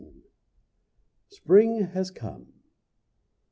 SPRING HAS COME.